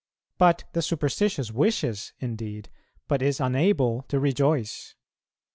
But the superstitious wishes indeed, but is unable to rejoice.